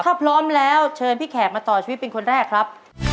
ถ้าพร้อมแล้วเชิญพี่แขกมาต่อชีวิตเป็นคนแรกครับ